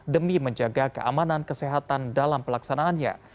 demi menjaga keamanan kesehatan dalam pelaksanaannya